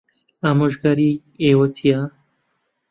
ئامۆژگاریی ئێوە چییە؟